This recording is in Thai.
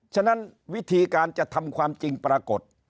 ฉะนั้นวิธีการจะทำความจริงปรากฏ